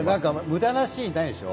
無駄なシーンないでしょ